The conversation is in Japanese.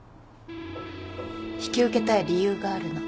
引き受けたい理由があるの。